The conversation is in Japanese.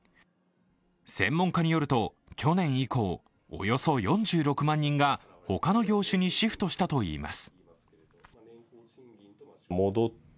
専門家によると去年以降、およそ４６万人が他の業種にシフトしたといいます。